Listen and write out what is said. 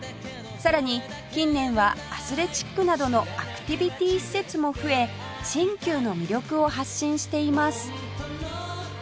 さらに近年はアスレチックなどのアクティビティ施設も増え新旧の魅力を発信しています